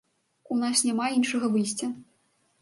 У нас няма іншага выйсця.